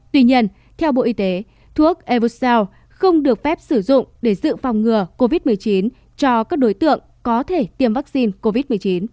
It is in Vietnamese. tuy nhiên theo bộ y tế thuốc evosel không được phép sử dụng để dự phòng ngừa covid một mươi chín cho các đối tượng có thể tiêm vaccine covid một mươi chín